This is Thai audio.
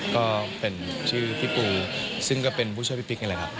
ก็เป็นชื่อพี่ปูซึ่งก็เป็นผู้ช่วยพี่ปิ๊กนี่แหละครับ